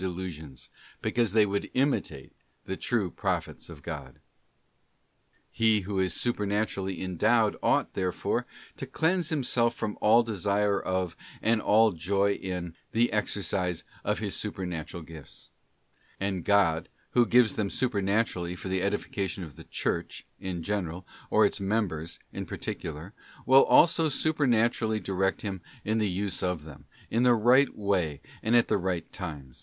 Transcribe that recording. delusions, because they would imitate the true Prophets of SPegnee eT OC. He who is supernaturally endowed ought, therefore, to cleanse himself from all desire of, and from all Joy in, the exercise of his supernatural gifts; and God, Who gives them supernaturally for the edification of the Church, in general, or of its members, in particular, will also supernaturally direct him in the use of them, in the right way and at the right time.